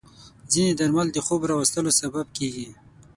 ځینې درمل د خوب راوستلو سبب کېږي.